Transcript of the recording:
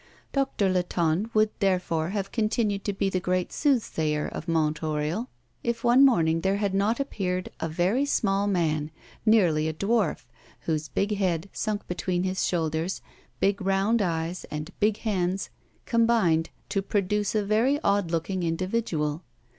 Doctor Latonne would, therefore, have continued to be the great soothsayer of Mont Oriol, if one morning there had not appeared a very small man, nearly a dwarf, whose big head sunk between his shoulders, big round eyes, and big hands combined to produce a very odd looking individual.